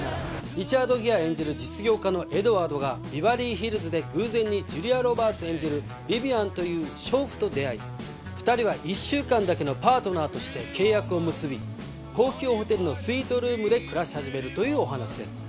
リチャード・ギア演じる実業家のエドワードがビバリーヒルズで偶然にジュリア・ロバーツ演じるヴィヴィアンという娼婦と出会い２人は１週間だけのパートナーとして契約を結び高級ホテルのスイートルームで暮らし始めるというお話です。